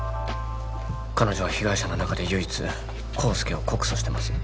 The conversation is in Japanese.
彼女は被害者の中で唯一康介を告訴してます